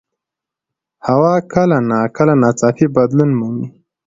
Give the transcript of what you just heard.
هوا کله ناکله ناڅاپي بدلون مومي